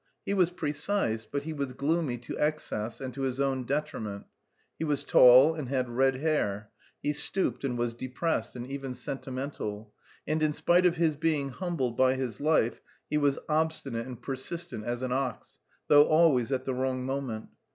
He was precise, but he was gloomy to excess and to his own detriment. He was tall and had red hair; he stooped and was depressed and even sentimental; and in spite of his being humbled by his life, he was obstinate and persistent as an ox, though always at the wrong moment.